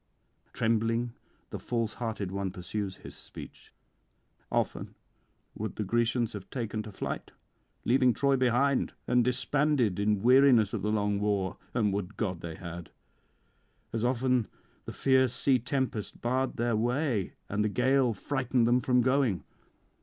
Tremblingly the false hearted one pursues his speech: '"Often would the Grecians have taken to flight, leaving Troy behind, and disbanded in weariness of the long war: and would God they had! as often the fierce sea tempest barred their way, and the gale frightened them from going.